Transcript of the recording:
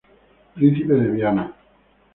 Príncipe de Viana.